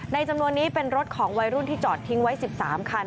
จำนวนนี้เป็นรถของวัยรุ่นที่จอดทิ้งไว้๑๓คัน